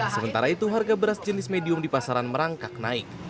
sementara itu harga beras jenis medium di pasaran merangkak naik